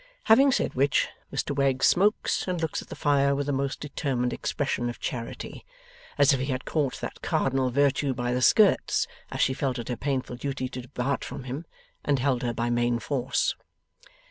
Having said which, Mr Wegg smokes and looks at the fire with a most determined expression of Charity; as if he had caught that cardinal virtue by the skirts as she felt it her painful duty to depart from him, and held her by main force.